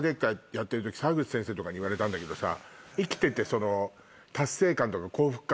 やってるとき澤口先生とかに言われたんだけどさ。